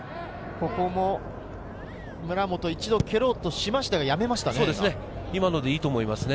村本、一度蹴ろうとしましたが、やめましたね。